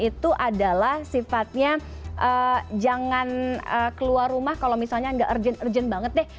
itu adalah sifatnya jangan keluar rumah kalau misalnya nggak urgent urgent banget deh